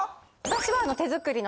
私は。